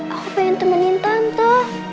aku pengen temenin tante